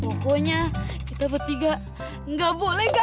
pokoknya kita bertiga gak boleh gagal